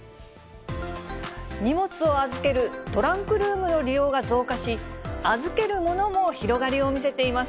荷物を預けるトランクルームの利用が増加し、預けるものも広がりを見せています。